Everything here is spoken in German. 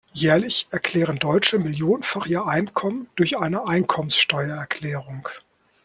Jährlich erklären Deutsche millionenfach ihr Einkommen durch eine Einkommensteuererklärung.